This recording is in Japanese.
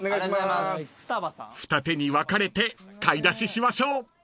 ［二手に分かれて買い出ししましょう］